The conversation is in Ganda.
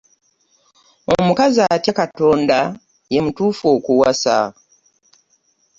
Omukazi atya Katonda ye mutuufu okuwasa.